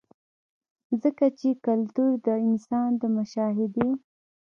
ځکه چې کلتور د انسان د مشاهدې